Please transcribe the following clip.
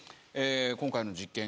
今回の実験。